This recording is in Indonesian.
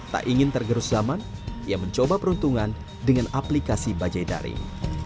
tak ingin tergerus zaman ia mencoba peruntungan dengan aplikasi bajai daring